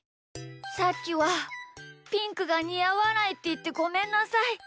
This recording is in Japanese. さっきはピンクがにあわないっていってごめんなさい。